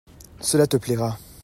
Cela te plaira